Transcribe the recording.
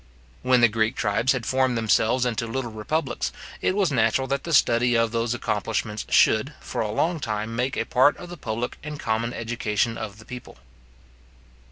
When the Greek tribes had formed themselves into little republics, it was natural that the study of those accomplishments should for a long time make a part of the public and common education of the people.